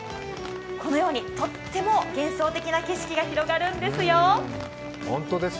このようにとても幻想的な景色が広がるんですよ。